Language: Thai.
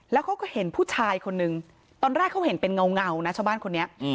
แล้วเขาก็เห็นผู้ชายคนนึงตอนแรกเขาเห็นเป็นเงานะชาวบ้านคนนี้